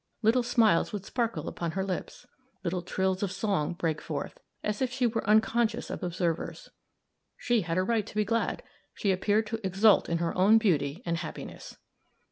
Little smiles would sparkle about her lips, little trills of song break forth, as if she were unconscious of observers. She had a right to be glad; she appeared to exult in her own beauty and happiness.